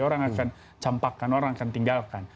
orang akan campakkan orang akan tinggalkan